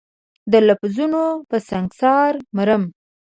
د لفظونو په سنګسار مرم